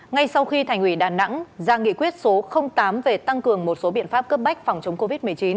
ngay sau khi thành ủy đà nẵng ra nghị quyết số tám về tăng cường một số biện pháp cấp bách phòng chống covid một mươi chín